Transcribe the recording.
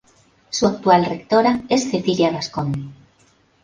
Su actual rectora es Cecília Gascón.